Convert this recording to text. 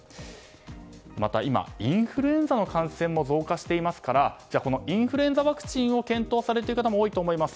また、今インフルエンザの感染も増加していますからインフルエンザワクチンを検討されている方も多いと思います。